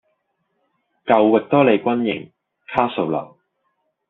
舊域多利軍營卡素樓